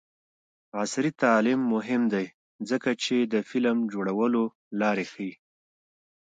عصري تعلیم مهم دی ځکه چې د فلم جوړولو لارې ښيي.